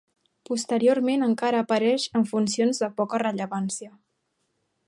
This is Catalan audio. Posteriorment encara apareix en funcions de poca rellevància.